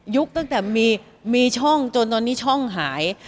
ตั้งแต่มีช่องจนตอนนี้ช่องหาย